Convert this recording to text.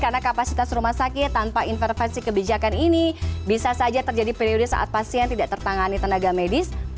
karena kapasitas rumah sakit tanpa intervensi kebijakan ini bisa saja terjadi periode saat pasien tidak tertangani tenaga medis